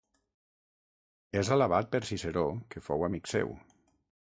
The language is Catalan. És alabat per Ciceró que fou amic seu.